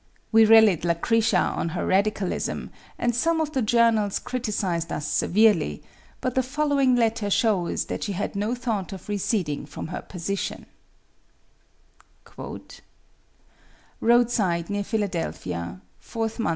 We rallied Lucretia on her radicalism, and some of the journals criticised us severely; but the following letter shows that she had no thought of receding from her position: "Roadside, near Philadelphia, "4th Mo.